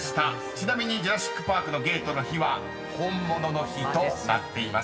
ちなみにジュラシック・パークのゲートの火は本物の火となっています］